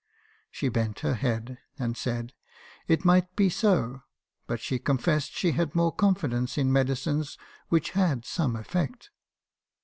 She bent her head, and said, 'It might be so; but she confessed she had more confidence in medicines which had some effect.'